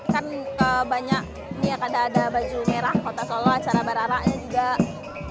kan banyak ini ada baju merah kota solok acara barara ini juga